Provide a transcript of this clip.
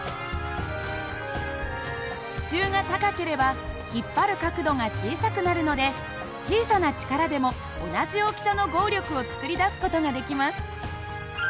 支柱が高ければ引っ張る角度が小さくなるので小さな力でも同じ大きさの合力を作り出す事ができます。